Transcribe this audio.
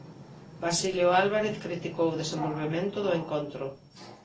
Basilio Álvarez criticou o desenvolvemento do encontro.